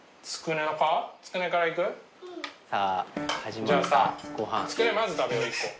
じゃあさつくねまず食べよう１個。